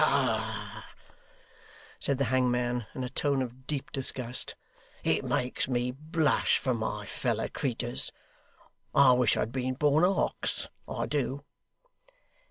Ah,' said the hangman, in a tone of deep disgust, 'it makes me blush for my feller creeturs. I wish I had been born a ox, I do!